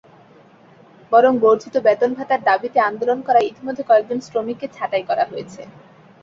বরং বর্ধিত বেতন-ভাতার দাবিতে আন্দোলন করায় ইতিমধ্যে কয়েকজন শ্রমিককে ছাঁটাই করা হয়েছে।